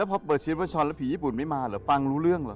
แล้วพอเปิดชีนบันชรแล้วผีญี่ปุ่นไม่มาเลอะฟังรู้เรื่องเหรอ